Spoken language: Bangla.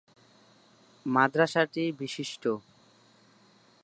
মাদ্রাসাটি বিশিষ্ট।